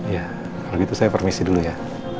ya kalau gitu saya permisi dulu ya